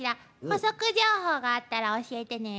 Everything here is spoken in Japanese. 補足情報があったら教えてね。